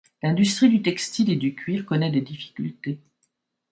L’industrie du textile et du cuir connaît des difficultés.